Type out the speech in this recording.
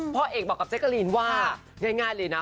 พ่อเอกบอกว่าง่ายเลยนะ